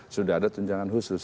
sudah ada tunjangan khusus